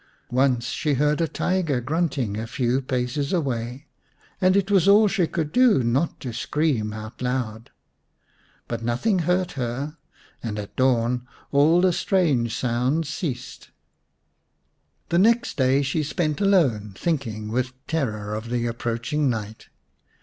Once she heard a (jtiger' grunting a few paces away, and it was all she could do not to scream aloud. But nothing hurt her, and at dawn all the strange sounds ceased. The next day she spent alone, thinking with terror of the approaching night.